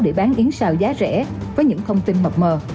để bán yến xào giá rẻ với những thông tin mập mờ